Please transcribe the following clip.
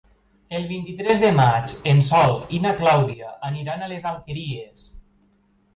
El vint-i-tres de maig en Sol i na Clàudia aniran a les Alqueries.